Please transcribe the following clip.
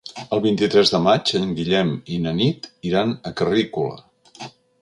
El vint-i-tres de maig en Guillem i na Nit iran a Carrícola.